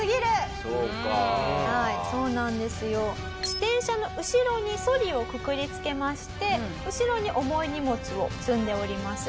自転車の後ろにソリをくくりつけまして後ろに重い荷物を積んでおります。